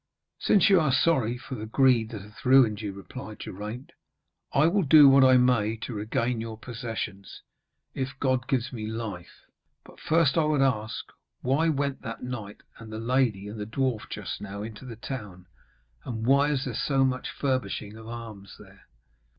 'Since you are sorry for the greed that hath ruined you,' replied Geraint, 'I will do what I may to regain your possessions, if God gives me life. But first I would ask, why went that knight and the lady and the dwarf just now into the town, and why is there so much furbishing of arms there?'